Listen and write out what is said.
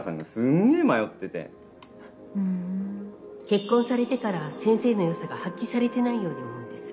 結婚されてから先生の良さが発揮されてないように思うんです